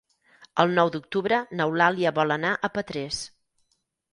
El nou d'octubre n'Eulàlia vol anar a Petrés.